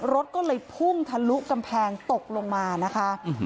รถก็เลยพุ่งทะลุกำแพงตกลงมานะคะ